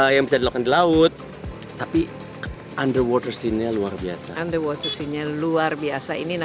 yang cukup luar biasa